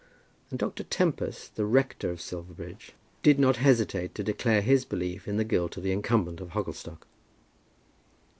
And Dr. Tempest, the rector of Silverbridge, did not hesitate to declare his belief in the guilt of the incumbent of Hogglestock.